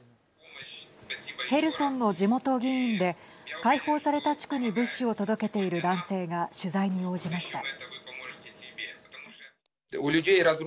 ヘルソンの地元議員で解放された地区に物資を届けている男性が取材に応じました。